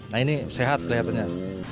nah ini sehat kelihatannya